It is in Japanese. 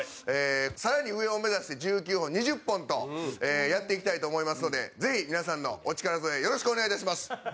更に上を目指して１９本、２０本とやっていきたいと思いますのでぜひ、皆さんのお力添えよろしくお願いいたします。